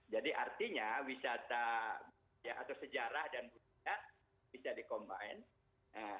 jadi artinya wisata ya atau sejarah dan budaya bisa dikombinasi